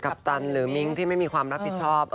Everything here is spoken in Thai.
ปตันหรือมิ้งที่ไม่มีความรับผิดชอบ